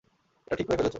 এটা ঠিক করে ফেলেছ।